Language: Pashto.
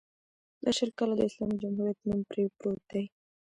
دا شل کاله د اسلامي جمهوریت نوم پرې پروت دی.